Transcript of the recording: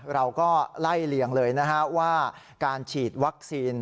เราก็ไล่เลี่ยงเลยนะฮะว่าการฉีดวัคซีน